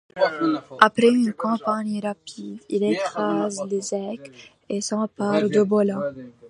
Après une campagne rapide, il écrase les Èques et s'empare de Bola.